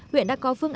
huyện đã có phương án